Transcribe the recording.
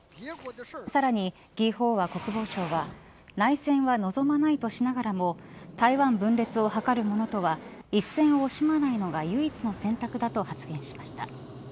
さらに、魏鳳和国防相は内戦は望まないとしながらも台湾分裂を図るものとは一戦を惜しまないのが唯一の選択だと発言しました。